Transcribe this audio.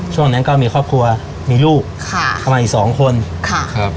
ช่วงนั้นก็มีครอบครัวมีลูกค่ะเข้ามาอีกสองคนค่ะครับ